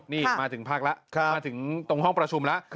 นี่มาถึงพักแล้วมาถึงตรงห้องประชุมแล้ว